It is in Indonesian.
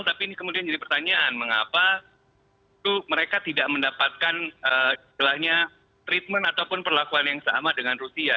tapi ini kemudian jadi pertanyaan mengapa mereka tidak mendapatkan treatment ataupun perlakuan yang sama dengan rusia